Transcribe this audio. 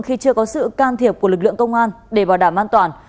khi chưa có sự can thiệp của lực lượng công an để bảo đảm an toàn